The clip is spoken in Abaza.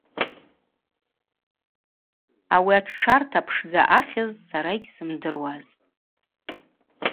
Ауи атштшарта пшдза ахьыз сара йгьсымдыруазтӏ.